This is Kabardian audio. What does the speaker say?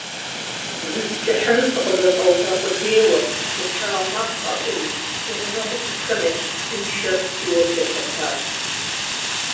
Зысплъыхьыну сыкъызэфӀэува къудейуэ, фочауэ макъ къэӀури, си гъунэгъуу щытхэм ящыщ зым шэр фийуэ блэлъэтащ.